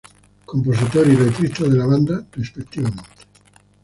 Compositor y letrista de la banda, respectivamente.